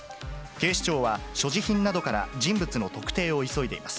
警視庁は、所持品などから人物の特定を急いでいます。